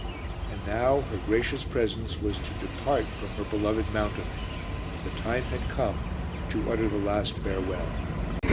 And now her gracious presence was to depart from her beloved Mountain; the time had come to utter the last farewell.